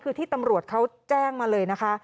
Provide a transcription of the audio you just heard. คือที่ตำรวจเขาแจ้งมาเลยนะคะ